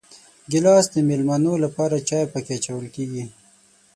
ګیلاس د مېلمنو لپاره چای پکې اچول کېږي.